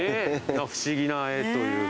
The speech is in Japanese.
不思議な絵というか。